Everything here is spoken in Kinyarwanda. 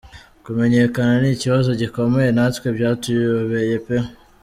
Kumenyekana ni ikibazo gikomeye natwe byatuyobeye pe.